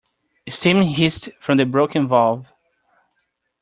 Steam hissed from the broken valve.